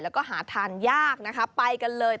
แล้วก็หาทานยากนะคะไปกันเลย